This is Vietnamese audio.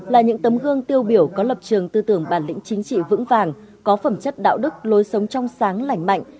là những tấm gương tiêu biểu có lập trường tư tưởng bản lĩnh chính trị vững vàng có phẩm chất đạo đức lối sống trong sáng lành mạnh